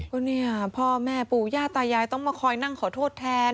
ก็เนี่ยพ่อแม่ปู่ย่าตายายต้องมาคอยนั่งขอโทษแทน